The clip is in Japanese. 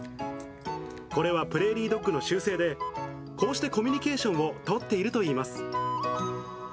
これはプレーリードッグの習性で、こうしてコミュニケーションを取っているといいます。